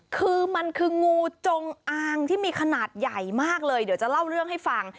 คือมันคืองูจงอางที่มีขนาดใหญ่มากเลยเดี๋ยวจะเล่าเรื่องให้ฟัง